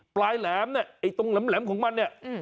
ปลายแหลมตรงแหลมของมัน